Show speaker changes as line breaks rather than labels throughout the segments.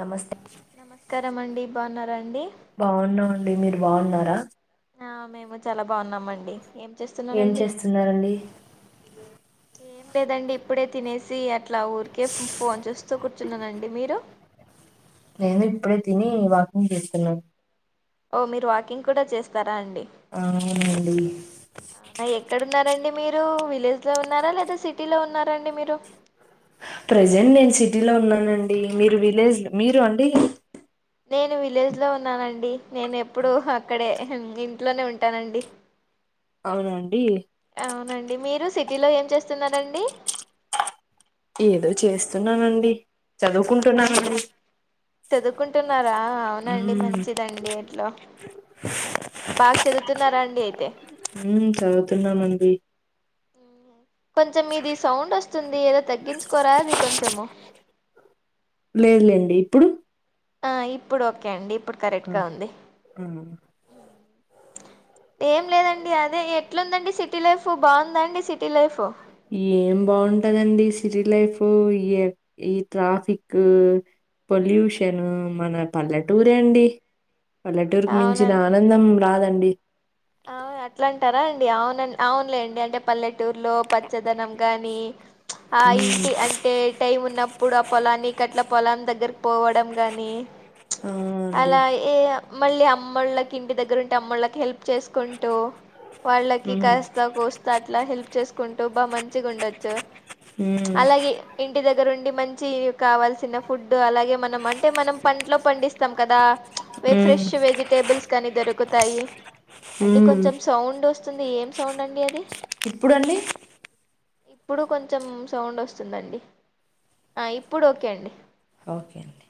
నమస్తే
నమస్కారం అండి బాగున్నారాండి
అడి మీరు బాగున్నారా
ఆ మేము చాలా బాగున్నామ అండి ఏం
ఏం
చేస్తున్నారండి
చేస్తున్నారండి
ఏం లేదండి ఇప్పుడే తినేసి అట్లా ఊరికే ఫోన్ చేస్తూ కూర్చున్నానండి మీరు
నేను ఇప్పుడే తిని వాక్యంగ్ చేస్తున్నాను
ఓ మీరు వాకింగ్ కూడా చేస్తారా అండి
అవునండి
ఎక్కడున్నా ఆడి మీరు విలేజ్ లో ఉన్నారా లేదా సిటీలో ఉన్నారాండి మీరు
ప్రజెంట్ నేను సిటీలో ఉన్నానండి మీరు విలేజ్ లో మీరు అండి
నేను విలేజ్ లో ఉన్నానండి నేను ఎప్పుడు అక్కడే ఇంట్లోనే ఉంటానండి
అవునండి
అవునండి మీరు సిటీలో ఏం చేస్తున్నారండి
ఏదో చేస్తున్నానండి
అవునా
చదువుకుంటున్నానండి
చదువుకుంటున్నారా అవునండి
మ్మ్
మంచిదండి ఎట్లా బాగా చదువుతున్నారా అండి అయితే
హ చదువుతున్నామండి
కొంచెం ఇది సౌండ్ వస్తుంది ఏదో తగ్గించుకోరా అది కొంచము
లేదులేండి ఇప్పుడు
ఆ ఇప్పుడు ఓకే అండి ఇప్పుడు
ఆ,
కరెక్ట్గా ఉంది
ఆ.
ఏం లేదండి అదే ఎట్లుందండి సిటీ లైఫ్ బాగుందాండి సిటీ లైఫ్
ఏం బాగుంటదండి సిటీ లైఫ్ ఈ ఈ ట్రాఫిక్ పొల్యూషన్ మన పల్లెటూర అండి పల్లెటూరుకి మించిన ఆనందం రాదండి
అవు అట్లా అంటారా అండి అవున అవునులే అండి అంటే పల్లెటూరులో పచ్చదనం గాని ఆ
ఉమ్
ఇంటి అంటే టైం ఉన్నప్పుడు ఆ పొలాన్ని అట్ల పొలాన్ని దగ్గర పోవడం గాని
అవునండి
అలా ఏ మళ్ళీ అమ్మళకి ఇంటి దగ్గర ఉంటే అమ్మళ్ళకి హెల్ప్ వాళ్ళకి
ఉమ్
కాస్త కుంటూ బాగా మంచిగా ఉండొచ్చు
ఉమ్
అలాగే ఇంటి దగ్గర ఉండి మంచి చీరు కావాల్సిన ఫుడ్ అలాగే మనం అంటే మనం పంటలో పండిస్తాం కదా
ఉమ్
ఫ్రెష్ వెజిటేబుల్స్ కానీ దొరుకుతాయి అండి
ఉమ్
కొంచెం సౌండ్ వస్తుంది ఏం సౌండ్ అండి అది
ఇప్పుడు అండి
ఇప్పుడు కొంచెం సౌండ్ వస్తుందండి ఆ ఇప్పుడు ఓకే అండి
ఓకే అండి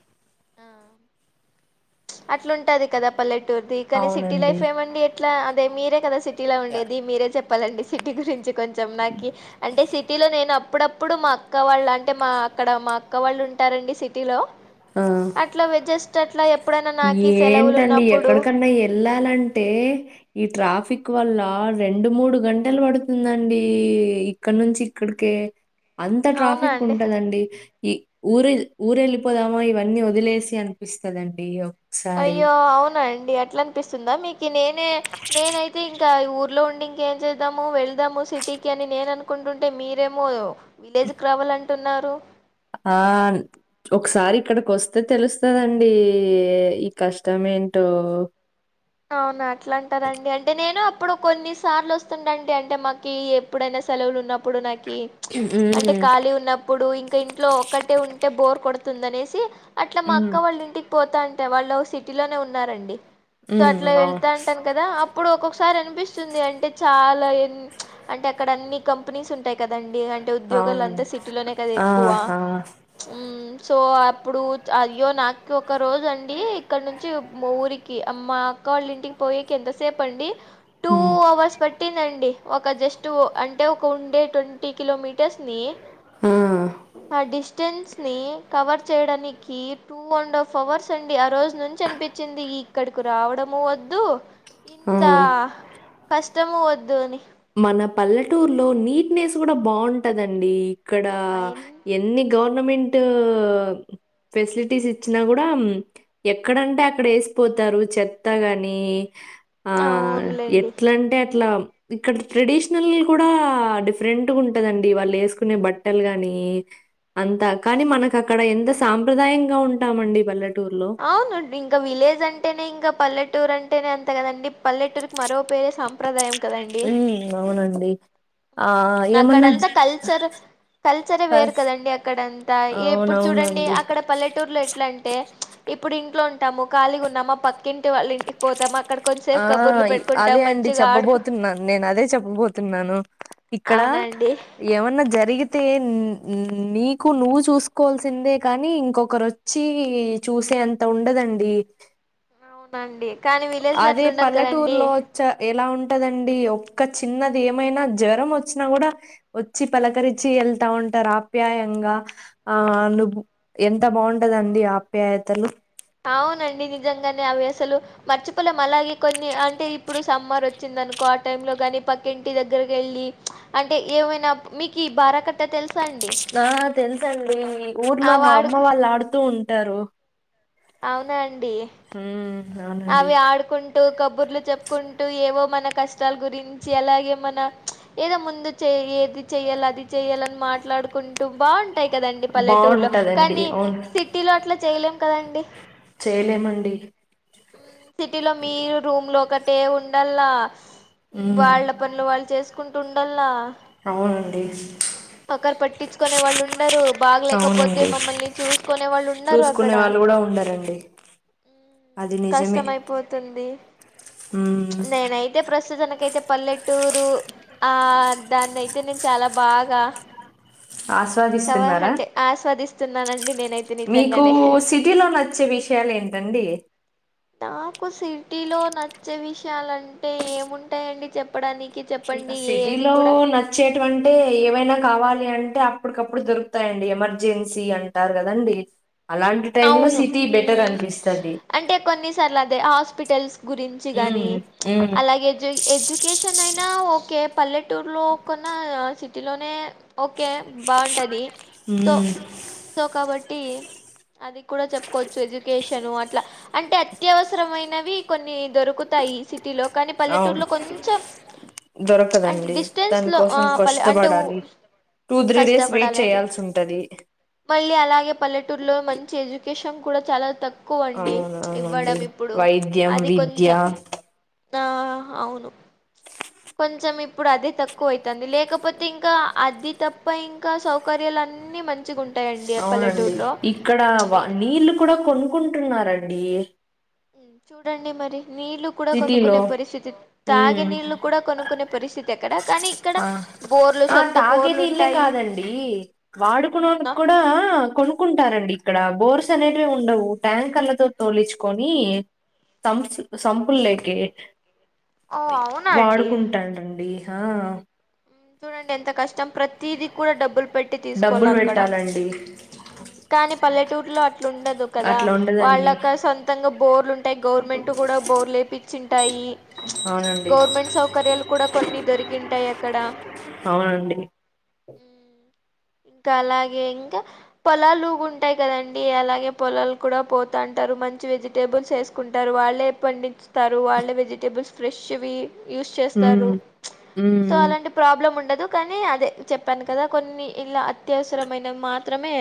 అట్లాంటది కదా పల్లెటూరుది కానీ సిటీ
అవునండి
లైఫ్ ఏమండి ఎట్లా అదే మీరే కదా సి సిటీలో ఉండేది మీరే చెప్పాలండి సిటీ గురించి కొంచెం నాకి అంటే సిటీలో నేను అప్పుడప్పు ఇప్పుడు మా అక్క వాళ్ళ అంటే మా అక్కడ మా అక్క వాళ్ళు ఉంటారండి సిటీ లో
ఆ
అట్లా వాచెస్ [inaudible]
ఏంటండి ఎక్కడకన్నా ఎళ్ళాలంటే ఈ ట్రాఫిక్ వల్ల రెండు మూడు గంటలు పడుతుందండి ఇక్కడ నుంచి ఇక్కడికే అంత
అవునా
ట్రాఫిక్
అండి
ఉంటదండి ఈ ఊరు ఎల్లి ఊరు వెళ్ళిపోదామా ఇవన్నీ వదిలేసి అనిపిస్తదండి ఒక్కొక్కసారి
అయ్యో అవున అండి అట్లా అనిపిస్తుందా మీకి నేనే నేనైతే ఇం క ఊర్లో ఉండి ఇంకేం చేద్దాము వెళ్దాము సిటీకి అని నేన అనుకుంటుంటే మీరేమో విలేజ్కి రావాలంటున్నారు
ఆ న్ ఒకసారి ఇక్కడికి వస్తే తెలుస్తుదండి ఈ కష్టం ఏంటో
అవునా అట్లా అంటారండి అంటే నేను అప్పుడు కొన్ని సార్లు వస్తుందంటే అంటే మాకి ఎప్పుడైనా సెలవులు ఉన్నప్పుడు నాకు కి అంటే
హ్మ్.
ఖాళీ ఉన్నప్పుడు ఇంకా ఇంట్లో ఒక్కటే ఉంటే బోర్ కొడుతుంది అనేసి అట్లా మా
హ్మ్.
అక్క వాళ్ళ ఇంటికి పోతాంటే వాళ్ళు సిటీలోనే ఉన్నారండి సో అట్లా
హ్మ్. అవును.
వెళ్తా అంటాను కదా అప్పుడు ఒక్కొక్క ఒకసారి అనిపిస్తుంది అంటే చాలా ఎ అంటే అక్కడ అన్ని కంపెనీస్ ఉంటాయి కదండి అంటే ఉద్యోగాంతా
అవునండి.
సిటీలోనే కదా
ఆ!
ఎక్కువ
ఆ!
సో అప్పుడు అయ్యో నాకి ఒక రోజు అండి ఇక్కడ నుంచి మ ఊరికి మా అక్క వాళ్ళ ఇంటికి పోయకి ఎంతసేపు అండి
ఉమ్
ఫూ అవర్స్ పట్టిందండి ఒక జస్ట్ అంటే ఒక ఉండే ట్వంటీ కిలోమీటర్స్ ని
ఆ
ఆ డిస్టెన్స్ ని కవర్ చేయడానికి టూ అండ్ హాఫ్ అవర్స్ అండి ఆ రోజు నుంచి అనిపించింది ఈ కు రావడము వద్దు ఇంత
ఆ!
కష్టము వద్దు అని
మన పల్లెటూరులో నీట్నెస్ కూడా బాగుంటదండి ఇక్కడ
అయన్-
ఎన్ని గవర్నమెంట్ ఫెసిలిటీస్ ఇచ్చినా కూడా ఎక్కడంటే అక్కడ ఎ సిపోతారు చెత్తగాని ఆ
అవునులేండి
ఎట్లంటే అట్లా ఇక్కడ ట్రెడిషనల్ కూడా డిఫరెంట్గా ఉంటదండి వాళ్ళు వేసుకునే బట్టలు గాని అంతా కానీ మనకు అక్కడ ఎంత సాంప్రదాయంగా ఉంటామండి పల్లె
అవును అండి ఇంకా విలేజ్ అంటేనే ఇంకా పల్లెటు టూర్ అంటేనే అంత కదండి పల్లెటూర్ కి మరో పేరు సంప్రదాయం
అవునండి ఆ ఏమన్నా
అక్కడంతా
జ-
కల్చర్ కల్చరే
ప-
వేరు కదండి అక్కడంతా ఇప్పుడు చూడండి
అవునవునండి
అక్కడ పల్లెటూర్లో ఎట్లా అంటే ఇప్పుడు ఇంట్లో ఉంటాము ఖళీగా ఉన్నామా పక్కింటి వాళ్ళు ఇంటికి పోతామా
ఆ అదే అండి
ఆడుకు
చెప్పబోతున్నాను నేను అదే చెప్పబోతున్నాను ఇక్కడ
అవునండి
ఏమన్నా జరిగితే నీకు నువ్వు చూసుకోవాల్సిందే కాని ఇంకొకరు వచ్చి చూసే అంత ఉండదండి
అవునా అండి కానీ మీ
అదే పల్లెటూరులో వచ్చా ఎలా ఉంటదండి ఒక్క చిన్నది ఏమైనా జ్వరం వచ్చినా కూడా వచ్చి పలకరించి వెళ్తా ఉంటారు ఆప్యాయంగా. ఆ నువ్వు ఎంత బాగుంటదండి ఆప్యాయతలు
అవునండి నిజంగానే అవి అసలు మర్చిపోలేం అలాగే కొన్ని అంటే ఇప్పుడు సమ్మర్ వచ్చిన్ నుకో ఆ టై లో కాని పక్కింటి దగ్గరికి వెళ్ళి చ్ అంటే ఏమైనా మీకు బారకట్
నా తెలుసండి ఊర్లో
అవి
మా అమ్మ
ఆడుకు
వాళ్ళు ఆడుతూ ఉంటారు.
అవునా అండి
ఉ
అవి ఆడుకుంటూ కబ్బుర్లు చెప్పుకుంటూ ఏవో మన కష్టాల గురించి అలాగే మన చ్ ఏదో ముందు చేయి ఏది చెయల్లా అది చెయ్యాలని మాట్ మాట్లాడుకుంటూ బాన్ ఉంటయ్ కదండి పల్లెటూరులో
బాగుంటదండి
కానీ
అవును
సిటీ లో అట్లా చేయలేం కదండి.
డి
సిటీలో మీరు రూమ్ లో ఒకటే ఉండల్లా ఈ
ఉమ్
వాళ్ళ పనులు వాళ్ళు చేసు కుంటుండల్లా
అవునండి
ఒకరు పట్టించుకునే వాళ్ళు ఉండరు బాగలేకపోతే
అవునండి
మమ్మల్ని చూసుకునే వాళ్ళు ఉండరు అక్కడ.
డ ఉండారండి అది ని
కష్టమైపోతుంది చ్
ఉమ్
నేనైయితే ప్రస్తుతనక్ నాకైతే పల్లెటూరు ఆ దాన్ని అయితే నేను చాలా బాగా టావా
ఆస్వాదిస్తున్నారా
హంటే ఆస్వాదిస్తున్నానండి నేనైతే
మీకు
నిజంగానే
సిటీ లో వచ్చే విషయాలు ఏంటండి
నాకు సిటీలో నచ్చే విషయాలంటే ఏముంటాయండి చెప్పడానికి
ఇంకా
చెప్పండి ఏది
సిటీలో
కూడా
నచ్చేటివంటే ఏవైనా కావాలి అన్ టే అప్పటికప్పుడు దొరుకుతాయండి ఎమర్జెన్సీ అంటారు కదండి. అలాంటి టైమ్ లో
అవును
సిటీ
ఉ
బెటర్ అనిపిస్తది
అంటే కొన్నిసార్లు అదే హాస్పిటల్స్ గురించి
ఉమ్
కానీ చ్
ఉమ్
అలాగే ఎడ్జ్ ఎడ్యుకేషన్ అయినా ఓకే పల్లెట్ టురులో కొన సిటీలోనే ఓకే బాగుంటది సో
ఉమ్
సో కాబట్టి అది కూడా చెప్పుకోవచ్చు ఎడ్యుకేషన్ అట్ ట్లా అత్యవసరమైనవి కొన్ని దొరుకుతాయి సి టిలో కాని
అవును
పల్లెటూరులో కొంచం చ్ అంటే
దొరకదండి
డిస్టెన్స్ లో ఆ
దానికోసం
పలె అంటే ఊ
కష్టపడాలి టూ త్రీ డేస్ వెయిట్
కష్టపడాలి అదే
చేయాల్సి ఉంటది
మళ్ళీ అలాగే పల్లెటూరులో మంచి ఎడ్యుకేషన్ కూడా చాలా తక్ క్కువండి చ్
అవునవునండి
ఇవ్వడం ఇప్పుడు
వైద్యం
అది
విద్య
కొంచం ఆ అవును కొంచెం ఇప్పుడు అదే తక్కువ అయితంది లేకపోతే ఇంకా అది తప్ప ఇంకా సౌకర్యాలు అన్ని మంచిగా ఉంటాయండి ఆ
అవునండి
పల్లెటూరు లో
ఇక్కడ వా నీళ్లు కూడా కొన్కుంటున్నారండి
ఉ చూడండి మరి నీళ్లు కూడా
సిటీలో
కొనుక్కునే పరిస్థితి తాగే
ఉమ్
నీళ్లు కూడా కొనుక్కునే పరిస్థితి అక్కడ కానీ ఇక్కడ
ఆ
బోర్లు
ఆ
సొంత
తాగే
బోర్లు
నీళ్లే
ఉంటాయి
కాదండి వాడుకునేకి
ఉందా?
కూడా ఆ కొనుక్కుంటారండి. ఇక్కడ బోర్స్ అనేటివే ఉండవు, ట్యాంకర్లతో తొలిచుకొని సంసు సంప్ పుల్లేకి
ఓ అవునా అండి
వాడుకుంటారండి ఆ
చూడండి ఎంత కష్టం ప్రతిది కూడా డబ్బులు పెట్టి
డబ్బులు
తీసుకోవల్ల అక్కడ.
పెట్టాలండి
కానీ పల్లెటూరులో అట్లు ఉండదు కదా
అట్లా ఉండదండి
వాళ్ళక సొంతంగా బోర్లున్ టాయి గవర్నమెంట్ కూడా బోర్లు లేపిచ్చింటాయి, చ్
అవునండి
గవర్నమెంట్ సౌకర్యాలు కూడా కొన్ని దొరికింటాయి అక్కడ
అవునండి
ఉ [inaudible] ఇంకా అలాగే ఇంక పొలాలుంటాయి గదండి అలాగే పొలాలు కూడా పోతాంట్ టరు మంచి వెజిటేబుల్స్ వేసుకుంటారు వాళ్ళే పండించుతారు వాళ్లే వెజిటేబుల్స్ ఫ్రెష్వి యూస్ చేస్తారు
ఉమ్
ప్చ్ సో
ఉమ్
అలాంటి ప్రాబ్లం ఉండదు కానీ అదే చెప్పాను కదా కొన్ని ఇలా అత్యవసరమైనవి మాత్రమే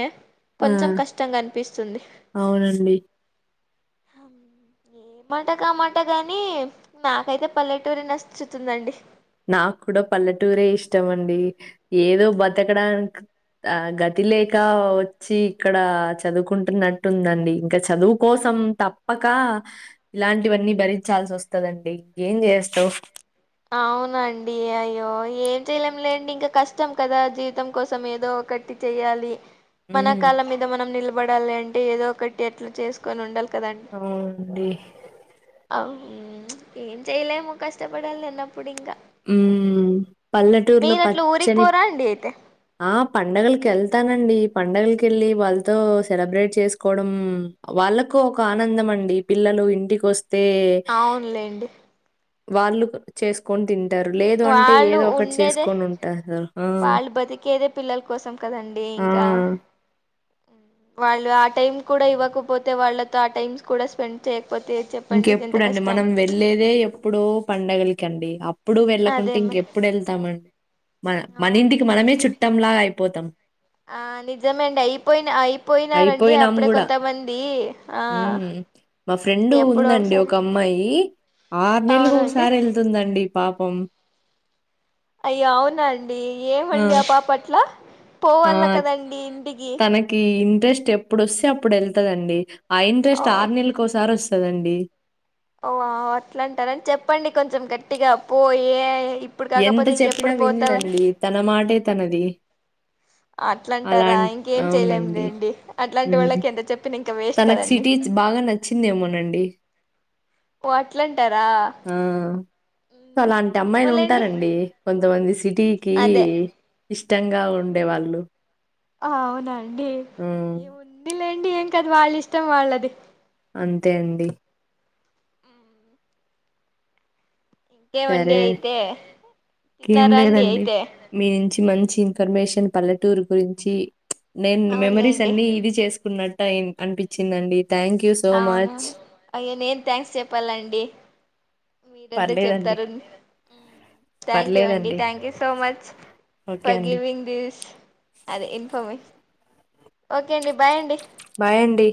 ఆ
కొంచెం కష్టంగా అనిపిస్తుంది
అవునండి [inaudible]
ఏ మాట కామాట గాని నాకైతే పల్లెటూరే నచ్చుతుందండి
నాకు కూడా పల్లెటూరే ఇష్టం అండి ఏదో బతకడానిక్ ఆ గతి లేక అ వచ్చి ఇక్కడ అ చదువుకుంటున్నట్టుందండి ఇంక చదువుకోసం మ్ తప్పక ఇలాంటివన్నీ భరించాల్సి వస్తదండి ఏం చేస్తావు
అవునండి అయ్యో ఏం చెయలేం లేండి ఇంక కష్టం కదా జీవితం కోసం ఏదో ఒకటి చేయాలి మన
ఉమ్
కాల్ల మీద మనం నిలబడాలి అంటే ఏదో ఒకటి ఎట్ల చేసుకొని ఉండాలి
మ్ అవున్ డి
అవ్ ప్చ్ ఏం చేయలేము కష్టపడాలన్నప్
మ్మ్ హ్హ్ పల్లెటూరులో
మీరు అట్లా ఊరికి
పచ్చని
పోరా అండి అయితే
ఆ పండగలకి ఏళ్తానండి పంండగకి ఎళ్ళి వాళ్తో సెలబ్రేట్ చేసుకోవడం మ్మ్ వాళ్ళకు ఒక ఆనందం అండి పిల్లల ఇంటికి వస్త్
అవునులేండి
వాళ్ళు ప్ చేసుకొని తింట్
వాళ్ళు ఉండేదే
చేసుకొనుంటారు. ఆ!
వాళ్ళు బతికేదే పిల్లల కోసం కదండి
ఆ!
ఇంకా
[inaudible]
వాళ్ళు ఆ టైమ్ కూడా ఇవ్వకపోతే వాళ్ళతో ఆ టైమ్ కూడా స్పెండ్ చేయ
ఇంకెప్పుడుండి మనం వెళ్లేేదే ఎప్పుడో పండగలకి అండి ఎప్పుడు
అదే
వెళ్కుంటే
మరి
ఇంకెప్పుడు వెళ్తామండి మన మన ఇంటికి
అవునులేండి
మనమే చుట్టంలాగా అయిపోతాం
ఆ నిజమే అండి అయిపోయిన అయిపోయినారంండి
అయిపోయినాం
అప్పుడే
గూడా.
కొంతమంది ఆ
హ్మ్. మా ఫ్రెండ్
ఎప్పుడో
ఉందండి
ఒకసారి
ఒక అమ్మాయి ఆరు నెలలకు
అవునండి
ఒకసారి వెళ్తుందండి పాపం
అయ అవునండి ఏమండి ఆ పాపట్ల
ఆ!
పోవాలా కదండి ఇంటికి
తనకి ఇంట్రెస్ట్ ఎప్పుడుొస్తే అప్పుడు వెళ్తదండి ఆ
ఓ
ఇంట్రెస్ట్ ఆరు నెల కోసారి వస్తు చదండి
ఓ అట్లాంటారని చెప్పండి కొంచెం గట్టిగా పోయే
ఎంత చెప్పినా విందండి తన మాటే తనది
అట్లా అంటారా
అలాం
ఇంకేం
అవునండి.
చేయలేందండి అట్లాంటి
హ్మ్.
వాళ్ళకి ఎంత చెప్పిన ఇంకా వేస్ట్
తనకి
కదండి
సిటీ బాగా నచ్చిందేమోనండి
ఓ అట్లాంటి
ఆ సో అలాంటి
మ్మ్,
అమ్మాయిలు
ఏమోలేండి
ఉంటారండి కొంతమంది సిటీకి
అదే
ఇష్టంగా ఉండేవాళ్ళు
అవునండి
హ్మ్.
ఏ ఉందిలేండి ఏం కదుా వాళ్ళ ఇష్టం వాళ్ళది
అంతే అండి
ఇంకేమండి
సరే
అయితే
ఇంక ఏం
తిన్నారా అండి
లేదండి
అయితే
మీ నుంచి మంచి ఇన్ఫర్మేషన్ పల్లెటూరు గురించి నేను మెమరీస్
అవునులేండి
అన్ని ఇది చేసుకున్నట్టు అనిపించిందండి థ్యాంక్ యూ సో
అవును
మచ్.
అయ్య నేన్ థ్యాంక్స్ చెప్పాలండి మీరందకు
పర్లేదండి
చెప్తారు థ్యాంక్ ూ అండి
పర్లేదండి
thank you so much
okay
ప
అండి
గవింగ్ దస్ అదే ఇన్ఫర్మేషన్ ఓకే అండి బాయ్ అండి
బాయ అండి